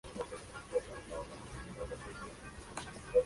Tras el final de la guerra la radio dejó de emitir.